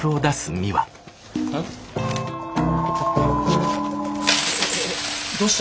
えっどうした？